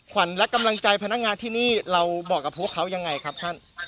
ขวัญและกำลังใจพนักงานที่นี่เราบอกกับพวกเขายังไงครับท่าน